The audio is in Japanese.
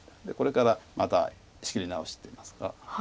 これからまた仕切り直しといいますか。